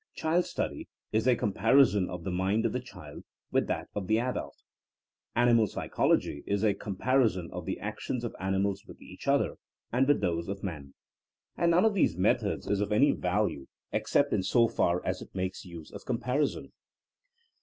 *' Child study*' is a comparison of the mind of the child with that of the adult. Animal psychology'' is a comparison of the actions of animals with each other and with those of man. And none of these methods is of any value ex cept in so far as it makes use of comparison.